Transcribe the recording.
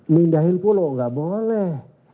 mindahin pulau enggak boleh